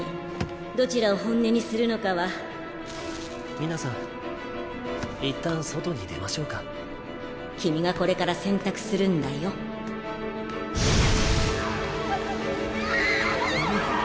どちらを本音にするのかは皆さん一旦外に出ましょうか君がこれから選択するんああっ！